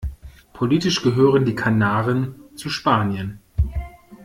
Politisch gehören die Kanaren zu Spanien.